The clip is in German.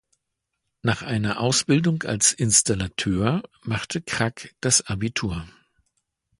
Nach einer Ausbildung als Installateur machte Krack das Abitur.